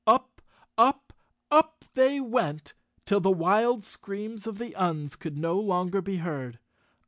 Up, up, up they went, till the wild screams of the Uns could no longer be heard.